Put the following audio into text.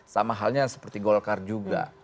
sama halnya seperti golkar juga